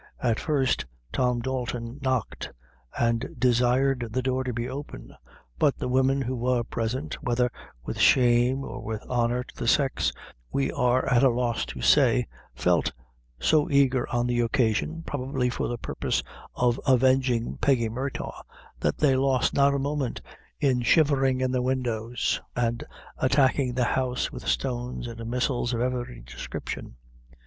At first, Tom Dalton knocked, and desired the door to be opened, but the women who were present, whether with shame or with honor to the sex, we are at a loss to say, felt so eager on the occasion, probably for the purpose of avenging Peggy Murtagh, that they lost not a moment in shivering in the windows, and attacking the house with stones and missiles of every description.